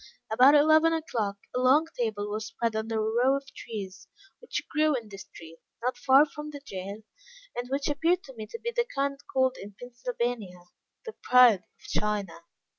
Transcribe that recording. About eleven o'clock, a long table was spread under a row of trees which grew in the street, not far from the jail, and which appeared to me to be of the kind called in Pennsylvania, the pride of China.